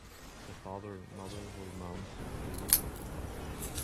The father and mother will mount to the roof of the house.